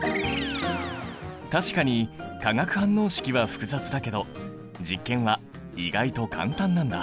確かに化学反応式は複雑だけど実験は意外と簡単なんだ。